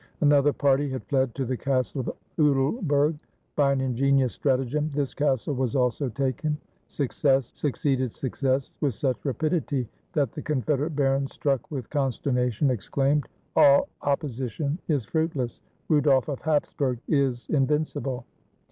Another party had fled to the castle of Uttleberg. By an ingenious stratagem, this castle was also taken. Suc cess succeeded success with such rapidity that the con federate barons, struck with consternation, exclaimed, — "All opposition is fruitless. Rudolf of Hapsburg is invincible."